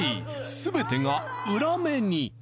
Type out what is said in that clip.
すべてが裏目に。